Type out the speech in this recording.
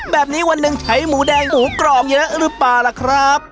แบบนี้วันหนึ่งใช้หมูแดงหมูกรอบเยอะหรือเปล่าล่ะครับ